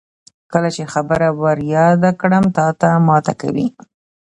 کله چې خبره ور یاده کړم تاته ماته کوي.